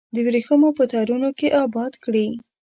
د وریښمو په تارونو کې اباد کړي